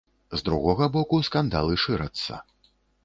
З другога боку, скандалы шырацца.